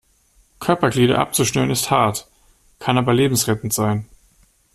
Körperglieder abzuschnüren ist hart, kann aber lebensrettend sein.